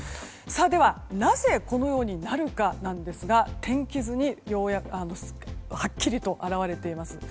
では、なぜこのようになるかなんですが天気図にはっきりと表れています。